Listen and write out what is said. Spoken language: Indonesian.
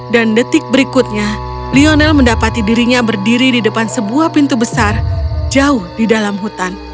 dan detik berikutnya lionel mendapati dirinya berdiri di depan sebuah pintu besar jauh di dalam hutan